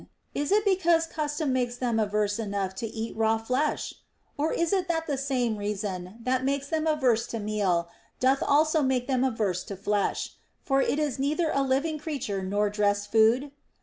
Is it because custom makes them averse enough to raw flesh \ Or is it that the same reason that makes them averse to meal doth also make them averse to flesh ; for it is neither a living creature nor dressed food